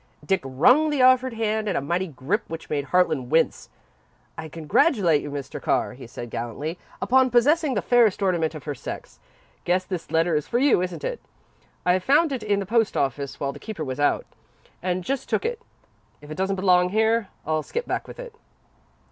Dick wrung the offered hand in a mighty grip which made Harlan wince. "I congratulate you, Mr. Carr," he said gallantly, "upon possessing the fairest ornament of her sex. Guess this letter is for you, isn't it? I found it in the post office while the keeper was out, and just took it. If it doesn't belong here, I'll skip back with it."